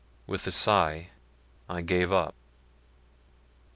With a sigh I gave it up.